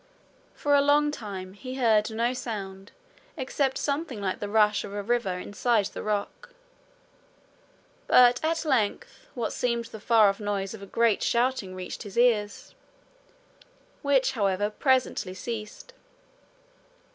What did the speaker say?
For a long time he heard no sound except something like the rush of a river inside the rock; but at length what seemed the far off noise of a great shouting reached his ears, which, however, presently ceased.